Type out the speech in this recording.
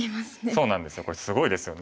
そうなんですよ。